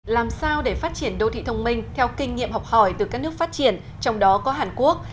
làm sao để phát triển đô thị thông minh theo kinh nghiệm học hỏi từ các nước phát triển trong đó có hàn quốc